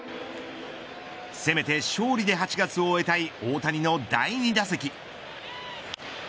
せめて勝利で８月を終えたい大谷の第２打席。